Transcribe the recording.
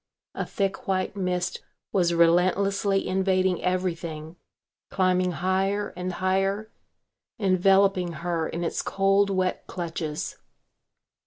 A thick white mist was relentlessly invading everything, climbing higher and higher, enveloping her in its cold, wet clutches.